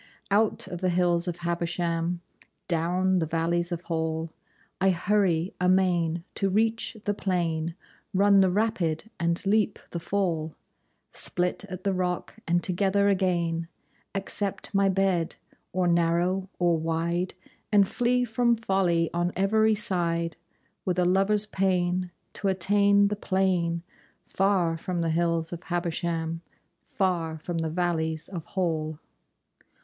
Out of the hills of Habersham, Down the valleys of Hall, I hurry amain to reach the plain, Run the rapid and leap the fall, Split at the rock and together again, Accept my bed, or narrow or wide, And flee from folly on every side With a lover's pain to attain the plain Far from the hills of Habersham, Far from the valleys of Hall.